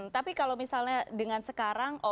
tapi kalau misalnya dengan sekarang